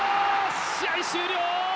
試合終了！